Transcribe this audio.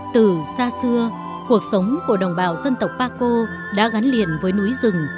từ xa xưa cuộc sống của đồng bào dân tộc paco đã gắn liền với núi rừng